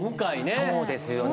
そうですよね